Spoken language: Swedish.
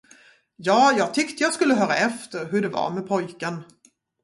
Ja, jag tyckte jag skulle höra efter, hur det var med pojken.